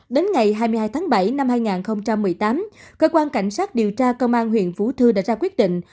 đến ngày hai mươi hai tháng bảy năm hai nghìn một mươi tám cơ quan cảnh sát điều tra công an huyện vũ thư đã ra quyết định